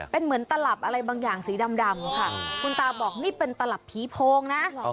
เป็นเหมือนตลับอะไรบางอย่างสีดำค่ะคุณตาบอกนี่เป็นตลับผีโพงนะ